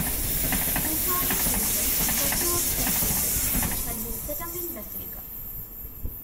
Suetonius mentions a statue of Passienus, which had been set up in the Basilica.